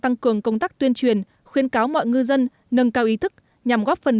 tăng cường công tác tuyên truyền khuyên cáo mọi ngư dân nâng cao ý thức nhằm góp phần